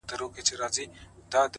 توروه سترگي ښايستې په خامـوشـۍ كي؛